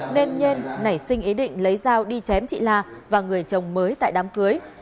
nên nhân nảy sinh ý định lấy dao đi chém chị la và người chồng mới tại đám cưới